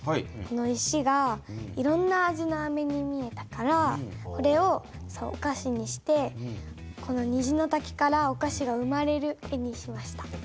この石がいろんな味のアメに見えたからこれをお菓子にしてこの虹の滝からお菓子が生まれる絵にしました。